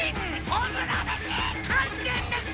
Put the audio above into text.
炎メシ完全メシ